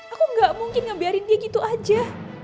aku gak mungkin ngebiarin dia gitu aja